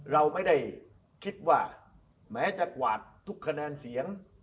เราไม่ได้คิดว่าแม้จะกวาดทุกคะแนนเสียง